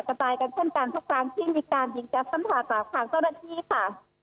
กันเช่นกันทั้งสางที่มีการยิงแจ๊บซ้ำตาจากขางต้นอาทิตย์ค่ะ